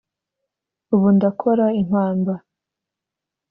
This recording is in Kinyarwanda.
Ubu ndakora impamba